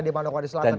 di mana mana selatan